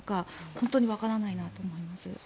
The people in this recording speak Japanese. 本当にわからないなと思います。